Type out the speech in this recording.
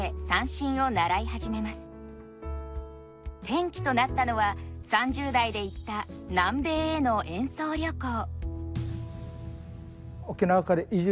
転機となったのは３０代で行った南米への演奏旅行。